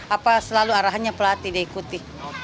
apa selalu arahannya pelatih dia ikuti